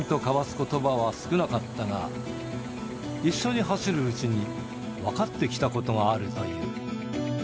ことばは少なかったが、一緒に走るうちに、分かってきたことがあるという。